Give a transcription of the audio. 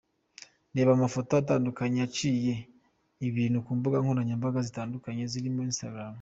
Reba amafoto atandukanye yaciye ibintu ku mbuga nkoranyambaga zitandukanye zirimo instagram.